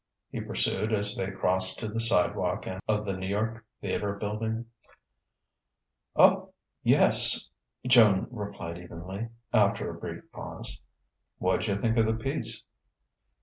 he pursued as they crossed to the sidewalk of the New York Theatre Building. "Oh, yes," Joan replied evenly, after a brief pause. "Wha'd you think of the piece?"